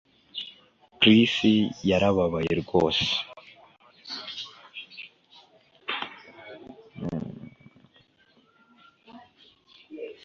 Chris yarababaye rwose